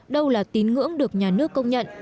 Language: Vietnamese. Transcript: đâu là tín ngưỡng được nhà nước công nhận